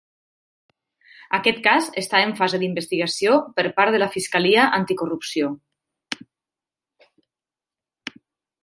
Aquest cas està en fase d'investigació per part de la Fiscalia Anticorrupció.